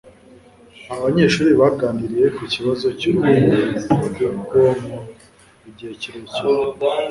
Abanyeshuri baganiriye ku kibazo cyurupfu rwubwonko igihe kirekire